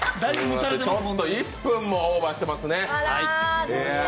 ちょっと、１分もオーバーしてますね。